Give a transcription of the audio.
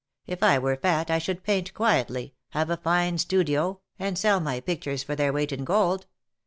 If I were fat, I should paint quietly, have a fine studio, and sell my pictures for their weight in gold.